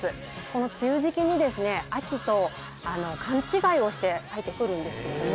この梅雨時期に秋と勘違いをして生えてくるんですけれども。